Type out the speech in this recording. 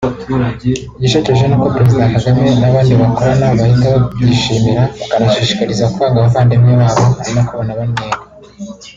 Igishekeje ni uko Perezida Kagame n’abandi bakorana bahita babyishimira bakanabashishikariza kwanga abavandimwe babo ari nako banabannyega